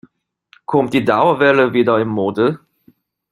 Kommt die Dauerwelle wieder in Mode?